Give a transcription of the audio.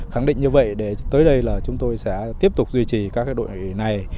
khẳng định như vậy để tới đây là chúng tôi sẽ tiếp tục duy trì các đội này